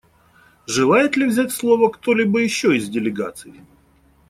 Желает ли взять слово кто-либо еще из делегаций?